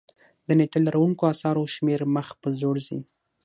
د نېټه لرونکو اثارو شمېر مخ په ځوړ ځي.